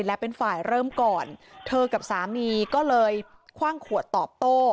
และเป็นฝ่ายเริ่มก่อนเธอกับสามีก็เลยคว่างขวดตอบโต้